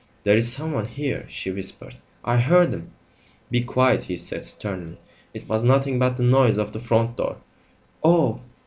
"There's someone here," she whispered; "I heard him." "Be quiet!" he said sternly. "It was nothing but the noise of the front door." "Oh!